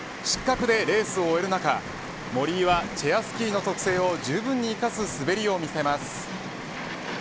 失格でレースを終える中森井はチェアスキーの特性をじゅうぶんに生かす滑りを見せます。